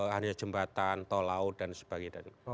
hanya jembatan tol laut dan sebagainya